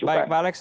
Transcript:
oke baik pak alex